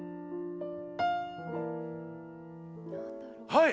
はい！